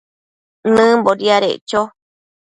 nëmbo diadeccho